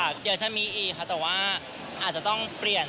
เดี๋ยวจะมีอีกค่ะแต่ว่าอาจจะต้องเปลี่ยน